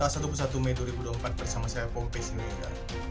saat satu satu mei dua ribu dua puluh empat bersama saya pompis yudhoyana